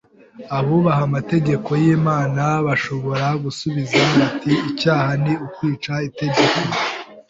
Abubaha amategeko y’Imana bashobora gusubiza bati: «Icyaha ni ukwica itegeko